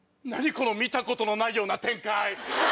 この見たことのないような展開。